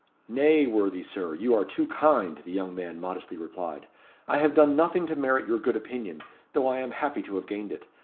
"Nay, worthy Sir, you are too kind," the young man modestly replied; "I have done nothing to merit your good opinion, though I am happy to have gained it.